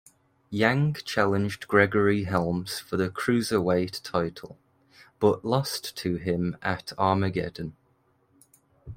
Yang challenged Gregory Helms for the Cruiserweight title, but lost to him at Armageddon.